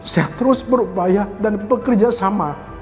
saya terus berupaya dan bekerja sama